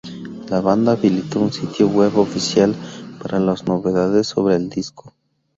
La banda habilitó un sitio web oficial para las novedades sobre el disco.